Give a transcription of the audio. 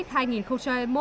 trở thành một trận đấu